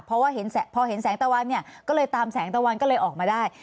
เพราะว่าพอเห็นแสงตะวันเนี่ยก็เลยตามแสงตะวันก็เลยออกมาได้